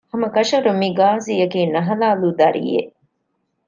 ހަމަކަށަވަރުން މި ޤާޟީއަކީ ނަހަލާލު ދަރިއެއް